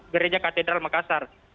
gereja katedral makassar